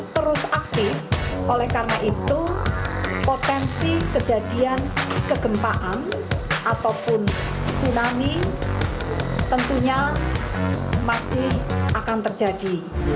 terus aktif oleh karena itu potensi kejadian kegempaan ataupun tsunami tentunya masih akan terjadi